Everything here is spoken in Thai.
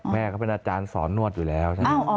แม่เขาเป็นอาจารย์สอนนวดอยู่แล้ว